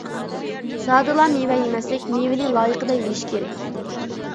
زادىلا مېۋە يېمەسلىك : مېۋىنى لايىقىدا يېيىش كېرەك.